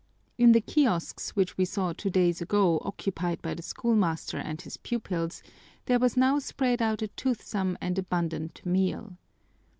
In the kiosks which we saw two days ago occupied by the schoolmaster and his pupils, there was now spread out a toothsome and abundant meal.